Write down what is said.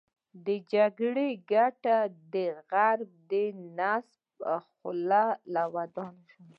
د جګړې ګټه د غرب د نصیب خوله او دانه شوه.